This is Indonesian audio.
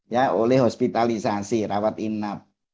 ya oleh hospitalisasi rawat inap